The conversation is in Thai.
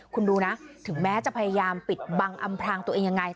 คุณดูนะถึงแม้จะพยายามปิดบังอำพลางตัวเองยังไง